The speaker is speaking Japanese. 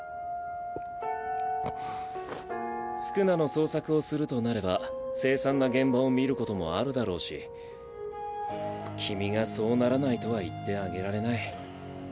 宿儺の捜索をするとなれば凄惨な現場を見ることもあるだろうし君がそうならないとは言ってあげられない。